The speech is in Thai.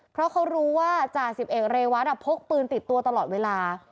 เพราะเขารู้ว่าจ่าสิบเอกเรวัตพกปืนติดตัวตลอดเวลา